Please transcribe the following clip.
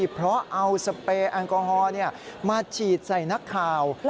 เพราะเอาสเปรย์แอลกอฮอล์มาฉีดใส่นักข่าว